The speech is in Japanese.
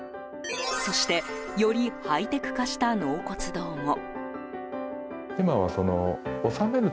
そしてよりハイテク化した納骨堂も。